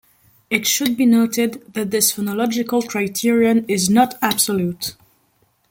It should be noted that this phonological criterion is not absolute.